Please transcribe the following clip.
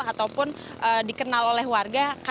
ataupun dikenal oleh warga karena baunya